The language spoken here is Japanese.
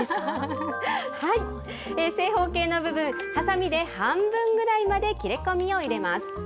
正方形の部分、はさみで半分ぐらいまで切れ込みを入れます。